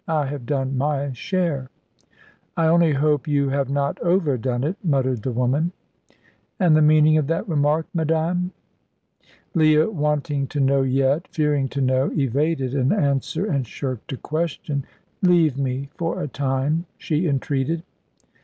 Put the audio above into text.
I have done my share." "I only hope you have not overdone it," muttered the woman. "And the meaning of that remark, madame?" Leah wanting to know, yet, fearing to know, evaded an answer and shirked a question. "Leave me for a time," she entreated.